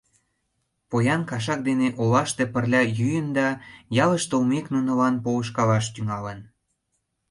Поян кашак дене олаште пырля йӱын да, ялыш толмек, нунылан полышкалаш тӱҥалын.